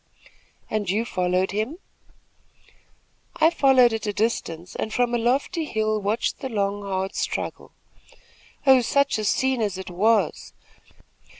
"And you followed him?" "I followed at a distance and from a lofty hill watched the long, hard struggle. Oh, such a scene as it was!